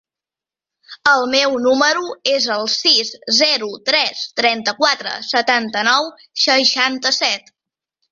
El meu número es el sis, zero, tres, trenta-quatre, setanta-nou, seixanta-set.